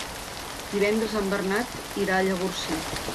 Divendres en Bernat irà a Llavorsí.